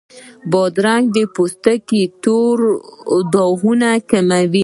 بادرنګ د پوستکي تور داغونه کموي.